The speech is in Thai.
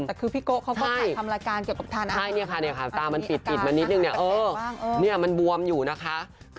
แต่คือพี่โกเขาก็ถ่ายคำละการเกี่ยวกับทานักอันนี้ค่ะตามันปิดปิดมันนิดนึงเนี่ยเออเนี่ยมันววมอยู่นะคะ